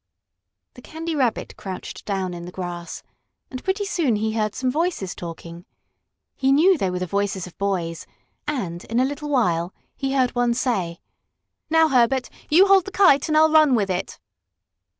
The Candy Rabbit crouched down in the grass, and pretty soon he heard some voices talking. He knew they were the voices of boys, and, in a little while, he heard one say: "Now, Herbert, you hold the kite and I'll run with it."